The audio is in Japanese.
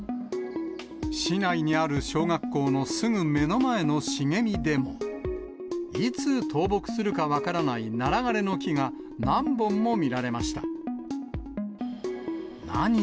市内にある小学校のすぐ目の前の茂みでも、いつ倒木するか分からないナラ枯れの木が何本も見られました。